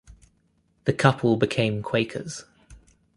The couple became Quakers.